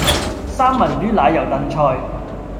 三文魚奶油燉菜